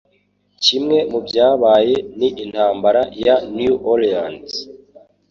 Kimwe mubyabaye ni Intambara ya New Orleans.